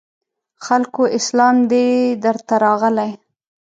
خلکو اسلام دی درته راغلی